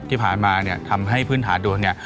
ที่ผ่านมาเนี่ยทำให้พื้นฐานโดนเนี่ย